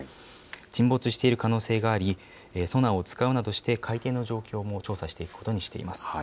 沈没している可能性があり、ソナーを使うなどして、海底の状況を調査していくことにしています。